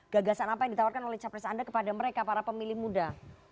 gagasan apa yang ditawarkan oleh capres anda kepada mereka para pemilih muda